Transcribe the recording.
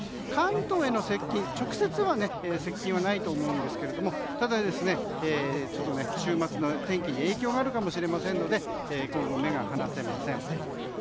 関東への直接の接近はないと思うんですがただ、週末の天気に影響があるかもしれませんので今後、目が離せません。